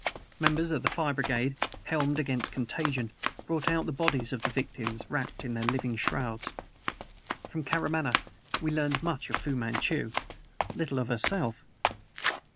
Members of the fire brigade, helmed against contagion, brought out the bodies of the victims wrapped in their living shrouds. ... From Karamaneh we learned much of Fu Manchu, little of herself.